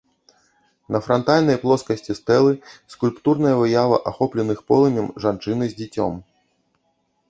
На франтальнай плоскасці стэлы скульптурная выява ахопленых полымем жанчыны з дзіцем.